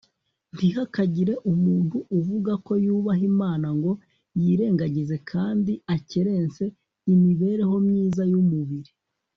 ntihakagire umuntu uvuga ko yubaha imana ngo yirengagize kandi akerense imibereho myiza y'umubiri